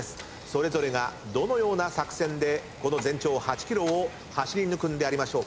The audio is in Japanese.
それぞれがどのような作戦でこの全長８ｋｍを走り抜くんでありましょうか。